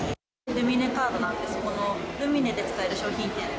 ルミネカードなんで、ルミネで使える商品券。